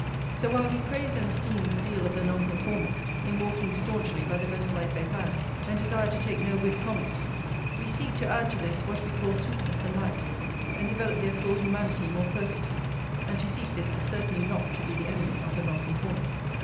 So while we praise and esteem the zeal of the Nonconformists in walking staunchly by the best light they have, and desire to take no whit from it, we seek to add to this what we call sweetness and light, and develope their full humanity more perfectly; and to seek this is certainly not to be the enemy of the Nonconformists.